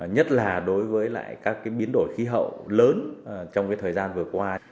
nhất là đối với lại các biến đổi khí hậu lớn trong thời gian vừa qua